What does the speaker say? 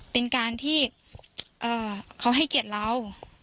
เป็นการที่เขาให้เกียรติเรา